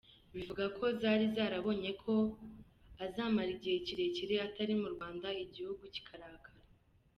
Bivuga ko zari zarabonye ko azamara igihe kirekire atari mu Rwanda, igihugu kikarara.